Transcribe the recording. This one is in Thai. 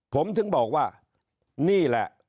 ผมถึงบอกว่านี่แหละ